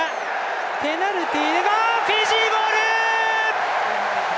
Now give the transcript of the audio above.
ペナルティ、フィジーボール！